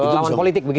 laman politik begitu